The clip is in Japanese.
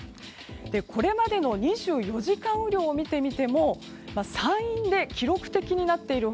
これまでの２４時間雨量を見てみても山陰で記録的になっている他